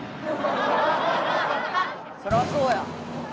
そりゃそうや！